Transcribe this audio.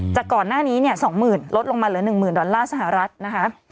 จากก่อนหน้านี้เนี่ย๒๐๐๐ลดลงมาเหลือ๑๐๐๐ดอลลาร์สหรัฐนะคะ